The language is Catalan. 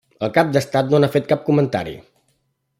El cap d'estat no n'ha fet cap comentari.